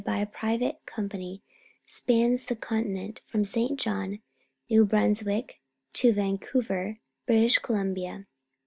Anthracite coal and continent from Saint John, New Brunswick, to Vancouver, British Columbia.